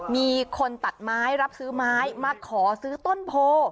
มีคนตัดไม้รับซื้อไม้มาขอซื้อต้นโพ